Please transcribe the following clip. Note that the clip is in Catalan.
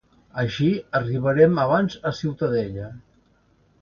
Així arribarem abans a Ciutadella.